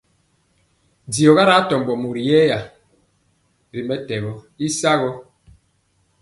Diɔga ri atombo mori yɛya ri mɛtɛgɔ y sagɔ.